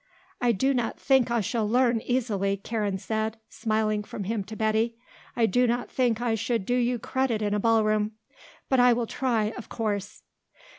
"I do not think I shall learn easily," Karen said, smiling from him to Betty. "I do not think I should do you credit in a ballroom. But I will try, of course."